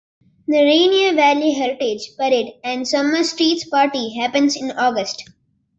The Rainier Valley Heritage Parade and Summer Streets Party happens in August.